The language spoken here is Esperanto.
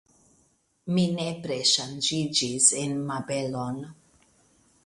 Mi nepre ŝanĝiĝis en Mabelon.